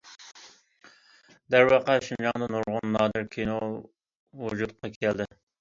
دەرۋەقە، شىنجاڭدا نۇرغۇن نادىر كىنو ۋۇجۇدقا كەلدى.